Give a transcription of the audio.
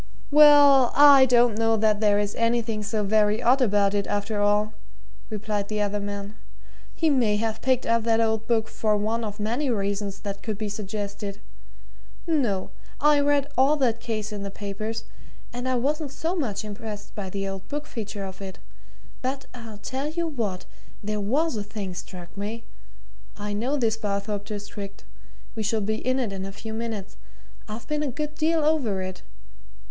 "Well, I don't know that there is anything so very odd about it, after all," replied the other man. "He may have picked up that old book for one of many reasons that could be suggested. No I read all that case in the papers, and I wasn't so much impressed by the old book feature of it. But I'll tell you what there was a thing struck me. I know this Barthorpe district we shall be in it in a few minutes I've been a good deal over it.